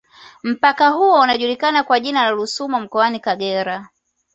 Mpaka huo unajulikana kwa jina la Rusumo mkoani Kagera